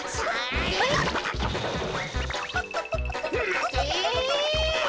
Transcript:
まて！